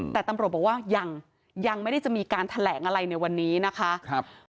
แต่ตำรวจบอกว่ายังไม่ได้จะมีการแถลงอะไรในวันนี้นะคะ